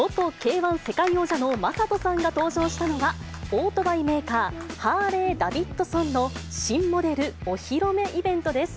１世界王者の魔娑斗さんが登場したのは、オートバイメーカー、ハーレーダビッドソンの新モデルお披露目イベントです。